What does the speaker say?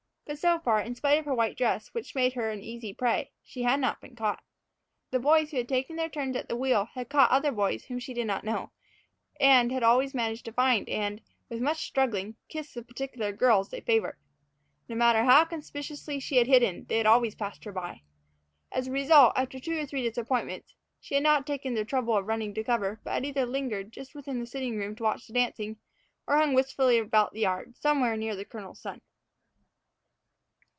But, so far, in spite of her white dress, which made her an easy prey, she had not been caught. The boys who had taken their turns at the wheel had caught other boys whom she did not know; and had always managed to find and, with much struggling, kiss the particular girls they favored. No matter how conspicuously she had hidden, they had always passed her by. As a result, after two or three disappointments, she had not taken the trouble of running to cover, but had either lingered just within the sitting room to watch the dancing, or hung wistfully about the yard, somewhere near the colonel's son.